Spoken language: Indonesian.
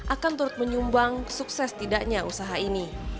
akan menumbang sukses tidaknya usaha ini